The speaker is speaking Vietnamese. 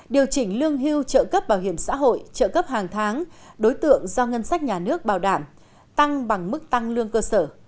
điều chỉnh lương hưu trợ cấp bảo hiểm xã hội trợ cấp hàng tháng đối tượng do ngân sách nhà nước bảo đảm tăng bằng mức tăng lương cơ sở